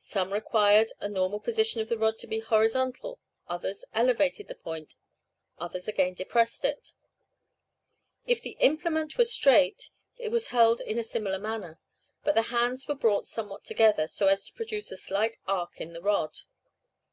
Some required the normal position of the rod to be horizontal, others elevated the point, others again depressed it. If the implement were straight, it was held in a similar manner, but the hands were brought somewhat together, so as to produce a slight arc in the rod.